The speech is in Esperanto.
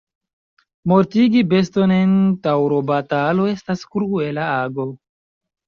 Mortigi beston en taŭrobatalo estas kruela ago.